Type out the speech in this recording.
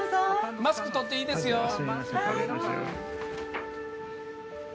マスクとっていいですよ。